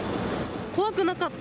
怖くなかった？